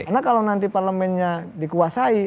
karena kalau nanti parlemennya dikuasai